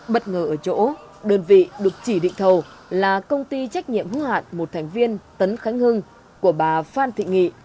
bất ngờ ở chỗ đơn vị được chỉ định thầu là công ty trách nhiệm hữu hạn một thành viên tấn khánh hưng của bà phan thị nghị